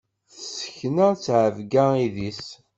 Tessekna ttɛebga idis.